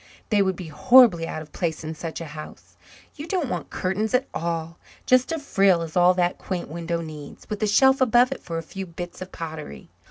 They would be horribly out of place in such a house. You don't want curtains at all just a frill is all that quaint window needs, with a shelf above it for a few bits of pottery.